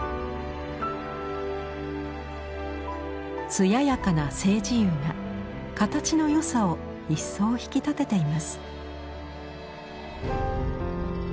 艶やかな青磁釉が形の良さを一層引き立てています。